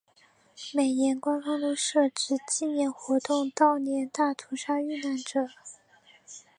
每年官方都设置纪念活动悼念大屠杀遇难者。